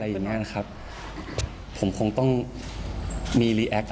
ในโมเมนท์นั้นในความรู้สึกของเรากับทุกคน